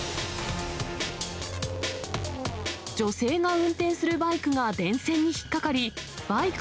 女性が運転するバイクが電線に引っ掛かり、バイク